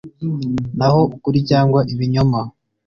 Naho ukuri cyangwa ibinyoma